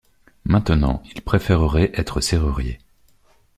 Maintenant, il préférerait être serrurier.